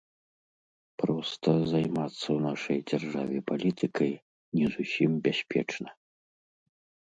Проста, займацца ў нашай дзяржаве палітыкай не зусім бяспечна.